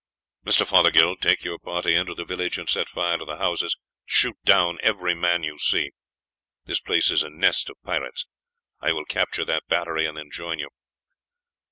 "Mr. Fothergill, take your party into the village and set fire to the houses; shoot down every man you see. This place is a nest of pirates. I will capture that battery and then join you."